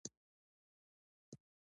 د لاجوردو کانونه د چا په لاس کې دي؟